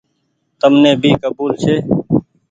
تم ني ڀي ڪبول ڇي۔